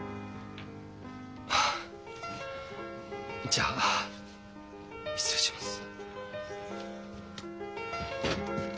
じゃあ失礼します。